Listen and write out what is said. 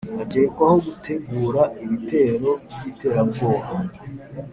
akekwaho gutegura ibitero by’iterabwoba